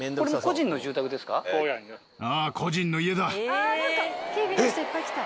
ああ何か警備の人いっぱい来た。